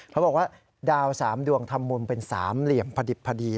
เขาบอกว่าดาว๓ดวงทัมมุนเป็น๓เหลี่ยมผลิปภรี